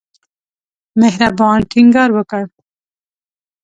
مهربان ټینګار وکړ.